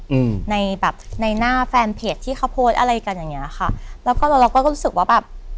อืมในแบบในหน้าแฟนเพจที่เขาโพสต์อะไรกันอย่างเงี้ยค่ะแล้วก็แล้วเราก็รู้สึกว่าแบบ